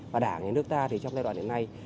và đảng nhà nước ta trong giai đoạn đến nay